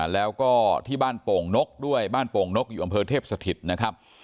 แล้วก็ที่บ้านโป่งนกด้วยบ้านโป่งนกอยู่อำเภอเทพสถิตนะครับ